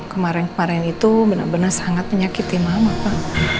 kemarin kemarin itu benar benar sangat menyakiti mama pak